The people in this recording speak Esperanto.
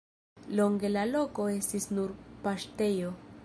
Longe la loko estis nur paŝtejo.